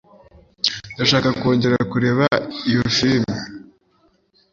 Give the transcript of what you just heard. ndashaka kongera kureba iyo firime